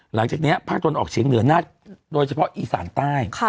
หลังจากนี้ภาคตนออกเฉียงเหนือโดยเฉพาะอีสานใต้